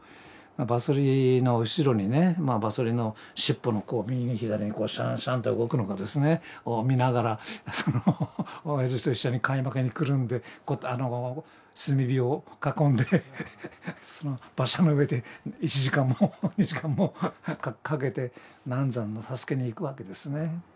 馬そりの後ろにね馬そりのしっぽの右に左にこうシャンシャンと動くのがですねを見ながら親父と一緒にかいまきにくるんで炭火を囲んで馬車の上で１時間も２時間もかけて難産の助けに行くわけですね。